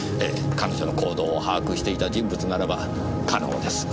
彼女の行動を把握していた人物ならば可能です。